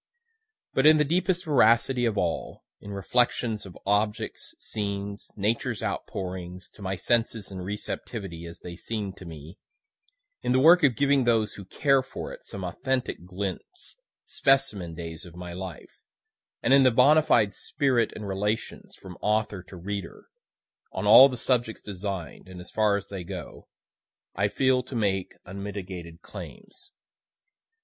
But in the deepest veracity of all in reflections of objects, scenes, Nature's outpourings, to my senses and receptivity, as they seem'd to me in the work of giving those who care for it, some authentic glints, specimen days of my life and in the bona fide spirit and relations, from author to reader, on all the subjects design'd, and as far as they go, I feel to make unmitigated claims.